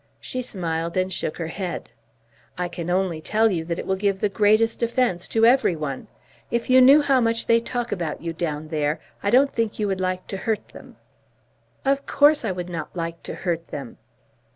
She smiled and shook her head. "I can only tell you that it will give the greatest offence to every one. If you knew how much they talk about you down there I don't think you would like to hurt them." "Of course I would not like to hurt them."